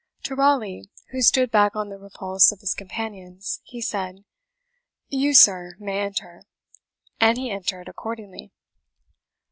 To Raleigh, who stood back on the repulse of his companions, he said, "You, sir, may enter," and he entered accordingly.